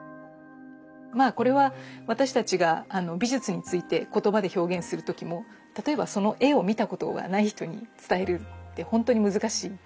まあこれは私たちが美術について言葉で表現する時も例えばその絵を見たことがない人に伝えるってほんとに難しい。